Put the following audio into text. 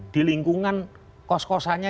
di lingkungan kos kosannya